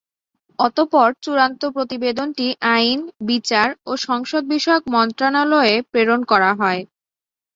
অতঃপর চূড়ান্ত প্রতিবেদনটি আইন, বিচার ও সংসদ বিষয়ক মন্ত্রণালয়ে প্রেরণ করা হয়।